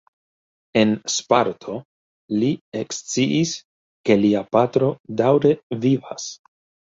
En Sparto li eksciis ke lia patro daŭre vivas.